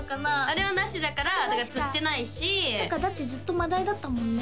あれはなしだから釣ってないしそっかだってずっとマダイだったもんね